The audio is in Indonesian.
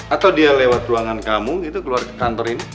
atau dia lewat ruangan kamu itu keluar ke kantor ini